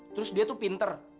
terus dia tuh pinter